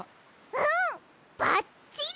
うんばっちり！